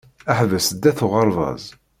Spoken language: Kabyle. Ḥbes sdat uɣerbaz.